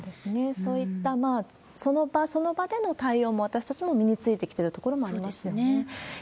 そういった、その場その場での対応も、私たちも身についてきてるところもありますよね。